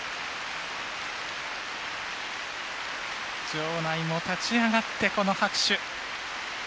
場内も立ち上がってこの拍手。